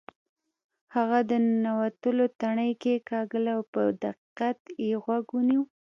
هغه د ننوتلو تڼۍ کیکاږله او په دقت یې غوږ ونیو